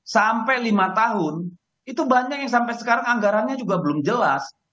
sampai lima tahun itu banyak yang sampai sekarang anggarannya juga belum jelas